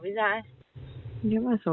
với cả chứng minh thư thôi